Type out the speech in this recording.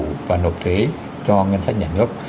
đủ và nộp thuế cho ngân sách nhà nước